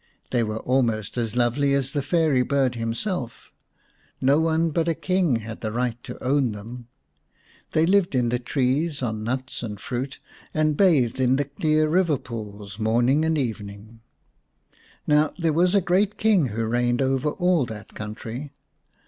They were almost as lovely as the fairy bird himself; no one but a King had the right to own them. They lived in 129 K The Fairy Bird x the trees on nuts and fruit, and bathed in the clear river pools morning and evening. Now there was a great King who reigned over all that country.